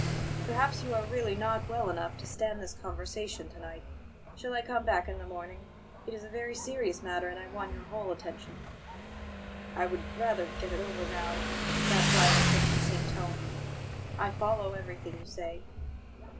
"Perhaps you are really not well enough to stand this conversation to night. Shall I come back in the morning? It is a very serious matter, and I want your whole attention." "I would rather get it over now," the Gadfly answered in the same tone. "I follow everything you say."